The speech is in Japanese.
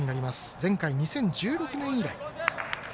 前回２０１６年以来。